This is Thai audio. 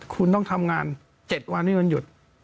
คุณต้องทำงาน๗วันให้มันหยุด